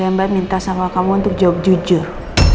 ya mbak minta sama kamu untuk jawab jujur